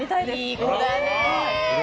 いい子だね！